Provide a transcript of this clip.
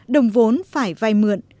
đồng vốn phải vai mượn